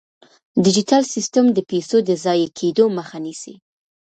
ډیجیټل سیستم د پيسو د ضایع کیدو مخه نیسي.